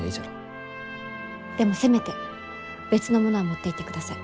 でもせめて別のものは持っていってください。